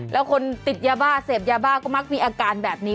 แล้วคนติดยาบ้าเสพยาบ้าก็มักมีอาการแบบนี้